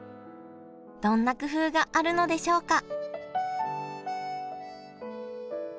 どんな工夫があるのでしょうか？